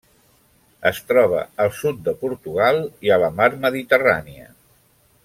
Es troba al sud de Portugal i a la Mar Mediterrània.